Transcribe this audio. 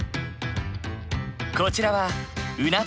こちらはうな丼。